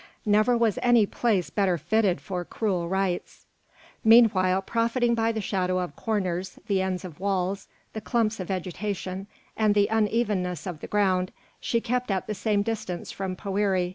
Never was any place better fitted for cruel rites." Meanwhile, profiting by the shadow of corners, the ends of walls, the clumps of vegetation, and the unevenness of the ground, she kept at the same distance from Poëri.